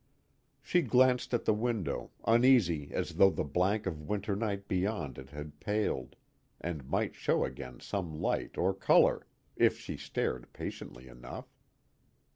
_ She glanced at the window, uneasy as though the blank of winter night beyond it had paled, and might show again some light or color if she stared patiently enough.